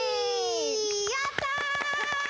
やったー！